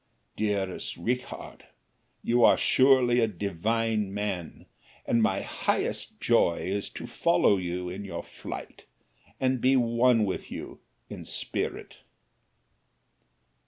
Dearest Richard, you are surely a divine man, and my highest joy is to follow you in your flight and be one with you in spirit!"